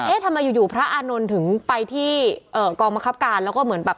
ทำไมอยู่อยู่พระอานนท์ถึงไปที่เอ่อกองบังคับการแล้วก็เหมือนแบบ